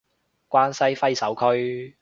關西揮手區